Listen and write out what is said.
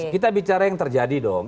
kita bicara yang terjadi dong